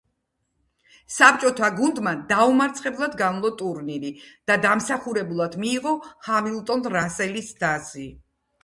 საბჭოთა გუნდმა დაუმარცხებლად განვლო ტურნირი და დამსახურებულად მიიღო ჰამილტონ-რასელის თასი.